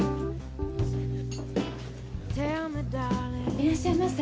いらっしゃいませ。